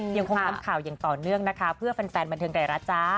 ยังคงทำข่าวอย่างต่อเนื่องนะคะเพื่อแฟนบันเทิงไทยรัฐจ้า